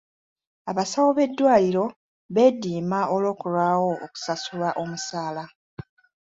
Abasawo b'eddwaliro beediima olw'okulwawo okusasulwa omusaala.